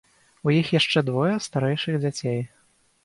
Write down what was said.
У іх яшчэ двое старэйшых дзяцей.